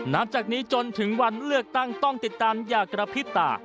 นับจากนี้จนถึงวันเลือกตั้งต้องติดตามอย่ากระพริบตา